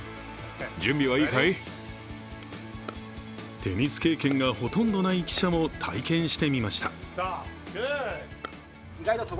テニス経験がほとんどない記者も体験してみました。